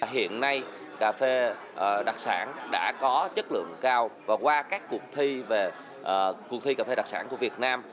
hiện nay cà phê đặc sản đã có chất lượng cao và qua các cuộc thi về cuộc thi cà phê đặc sản của việt nam